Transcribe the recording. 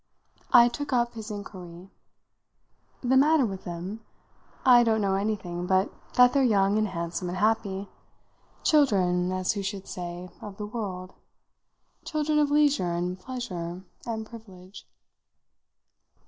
I took up his inquiry. "The matter with them? I don't know anything but that they're young and handsome and happy children, as who should say, of the world; children of leisure and pleasure and privilege."